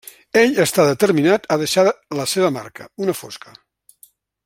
Ell està determinat a deixar la seva marca, una fosca.